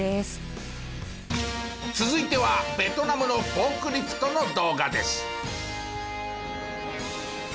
続いてはベトナムのフォークリフトの動画です。